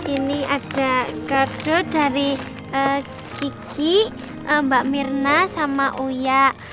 ini ada gardu dari kiki mbak mirna sama uya